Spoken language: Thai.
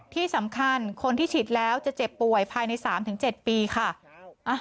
ที่สำคัญคนที่ฉีดแล้วจะเจ็บป่วยภายใน๓๗ปีค่ะ